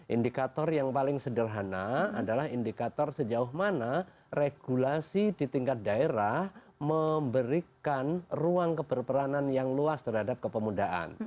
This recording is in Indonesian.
indikator yang paling sederhana adalah indikator sejauh mana regulasi di tingkat daerah memberikan ruang keberperanan yang luas terhadap kepemudaan